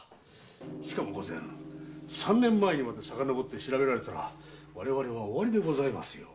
しかも御前三年前まで遡って調べられたら我々は終わりでございますよ。